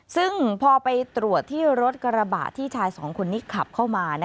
ซึ่งพอไปตรวจที่รถกระบะที่ชายสองคนนี้ขับเข้ามา